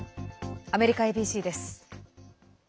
アメリカＡＢＣです。